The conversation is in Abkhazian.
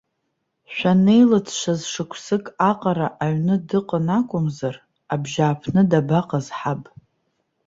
Шәанеилыҵшаз шықәсык аҟара аҩны дыҟан акәымзар, абжьааԥны дабаҟаз ҳаб?